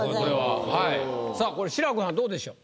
さあこれ志らくはんどうでしょう？